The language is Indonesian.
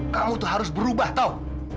kamu tuh harus berubah tahun